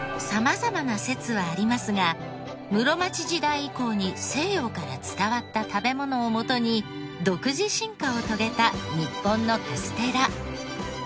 様々な説はありますが室町時代以降に西洋から伝わった食べ物をもとに独自進化を遂げた日本のカステラ。